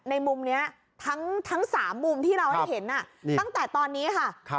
ในมุมนี้ทั้ง๓มุมที่เราได้เห็นตั้งแต่ตอนนี้ค่ะ